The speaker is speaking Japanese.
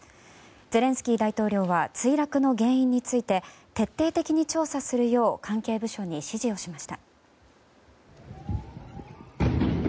ゼレンスキー大統領は墜落の原因について徹底的に調査するよう関係部署に指示をしました。